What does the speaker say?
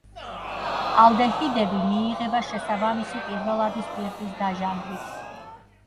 ალდეჰიდები მიიღება შესაბამისი პირველადი სპირტის დაჟანგვით.